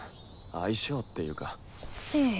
相性っていうか。は。